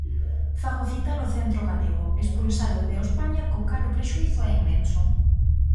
Fagocitar o Centro Galego, expulsalo de Ospaña, co cal o prexuízo é inmenso.